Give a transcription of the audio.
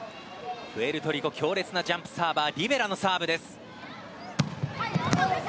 プエルトリコ強烈なジャンプサーバーリベラのサーブ。